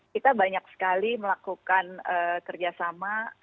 kita banyak sekali melakukan kerjasama